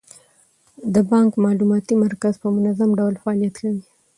د بانک معلوماتي مرکز په منظم ډول فعالیت کوي.